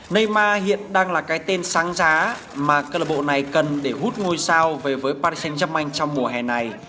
neymar hiện đang là cái tên sáng giá mà club này cần để hút ngôi sao về với paris saint germain trong mùa hè này